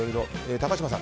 高嶋さん